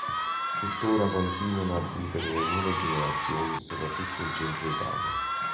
Tuttora continuano a vivere le nuove generazioni soprattutto in centro Italia.